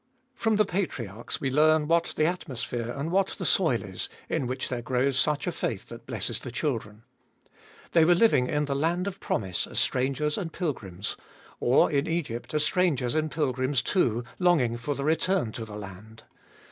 From the patriarchs we learn what the atmosphere and what the soil is in which there grows such a faith that blesses the children. They were living in the land of promise as strangers and pilgrims, or in Egypt as strangers and pilgrims too, longing for the return to the land.